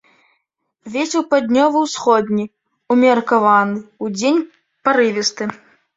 Вецер паўднёва-ўсходні ўмеркаваны, удзень парывісты.